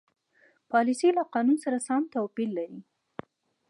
پالیسي له قانون سره توپیر لري.